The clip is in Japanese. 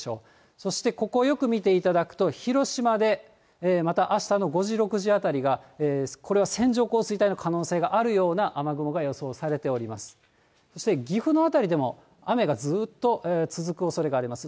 そしてここよく見ていただくと、広島でまたあしたの５時、６時あたりがこれは線状降水帯の可能性があるような雨雲が予想されております。